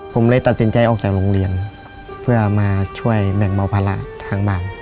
ผมเลยตัดสินใจออกจากโรงเรียนเพื่อมาช่วยแบ่งเบาภาระทางบ้าน